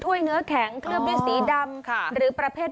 ต้องใช้ใจฟัง